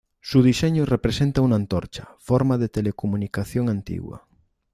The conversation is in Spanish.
Su diseño representa una antorcha, forma de telecomunicación antigua.